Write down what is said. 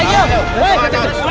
tidak ada apa apa